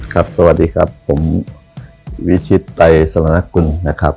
ครับสวัสดีครับผมวิชิตไตยสละนักกุลนะครับ